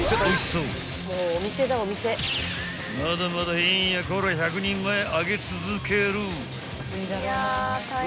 ［まだまだえんやこら１００人前揚げ続ける］